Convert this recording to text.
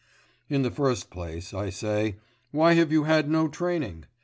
In the first place, I say: why have you had no training?